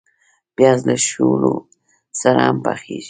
پیاز له شولو سره هم پخیږي